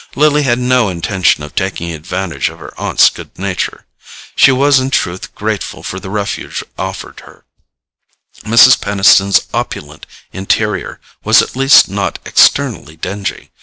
Lily had no intention of taking advantage of her aunt's good nature. She was in truth grateful for the refuge offered her: Mrs. Peniston's opulent interior was at least not externally dingy.